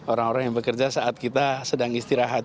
orang orang yang bekerja saat kita sedang istirahat